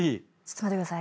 待ってください。